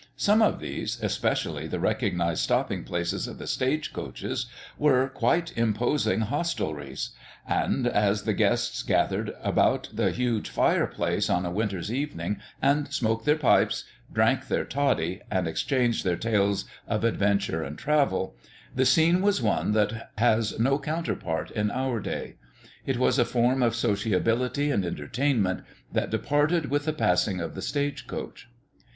Some of these, especially the recognized stopping places of the stage coaches, were quite imposing hostelries; and as the guests gathered about the huge fire place on a winter's evening and smoked their pipes, drank their toddy, and exchanged their tales of adventure and travel, the scene was one that has no counterpart in our day. It was a form of sociability and entertainment that departed with the passing of the stage coach.